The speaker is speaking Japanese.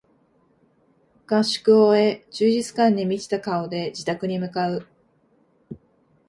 合宿を終え充実感に満ちた顔で自宅に向かう